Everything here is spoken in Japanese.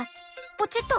ポチッと。